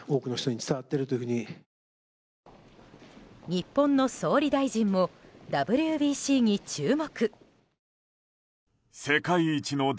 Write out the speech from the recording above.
日本の総理大臣もＷＢＣに注目。